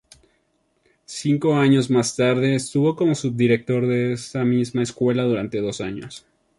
Cinco años más tarde estuvo como subdirector de esta misma escuela durante dos años.